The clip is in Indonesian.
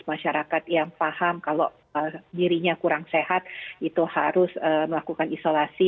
masyarakat yang paham kalau dirinya kurang sehat itu harus melakukan isolasi